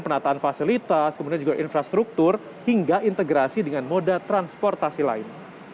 penataan fasilitas kemudian juga infrastruktur hingga integrasi dengan moda transportasi lain